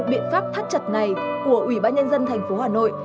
biện pháp thắt chặt này của ủy ban nhân dân thành phố hà nội